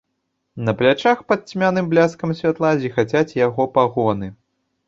На плячах, пад цьмяным бляскам святла, зіхацяць яго пагоны.